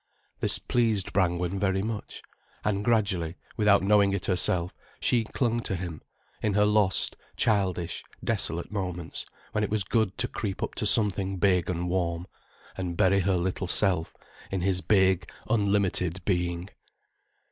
This pleased Brangwen very much. And gradually, without knowing it herself, she clung to him, in her lost, childish, desolate moments, when it was good to creep up to something big and warm, and bury her little self in his big, unlimited being.